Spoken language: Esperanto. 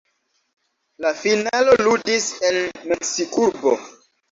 La finalo ludis en Meksikurbo.